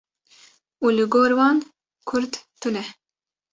û li gor wan Kurd tune.